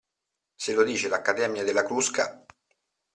Se lo dice l'Accademia della Crusca.